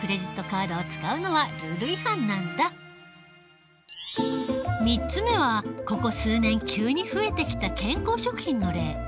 そもそも３つ目はここ数年急に増えてきた健康食品の例。